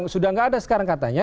sudah tidak ada sekarang katanya